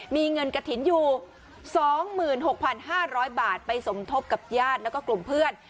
มีเงินกระถิ่นอยู่๒๖๕๐๐บาทไปสมทบกับญาติแล้วก็กลุ่มเพื่อน